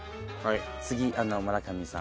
次村上さん。